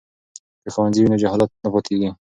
که ښوونځی وي نو جهالت نه پاتیږي.